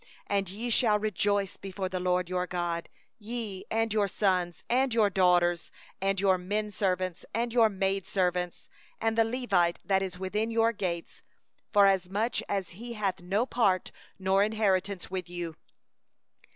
12And ye shall rejoice before the LORD your God, ye, and your sons, and your daughters, and your men servants, and your maid servants, and the Levite that is within your gates, forasmuch as he hath no portion nor inheritance with you.